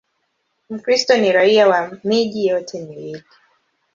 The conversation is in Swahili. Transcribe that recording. Mkristo ni raia wa miji yote miwili.